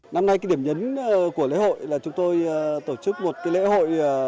năm nay điểm nhấn của lễ hội là chúng tôi tổ chức một lễ hội